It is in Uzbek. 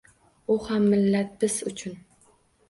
U ham millat biz uchun.